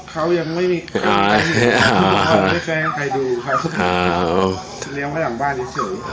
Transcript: เขายังไม่มีเขาไม่ใช่ให้ใครดูเขาเลี้ยงไว้อย่างบ้านนี้เฉย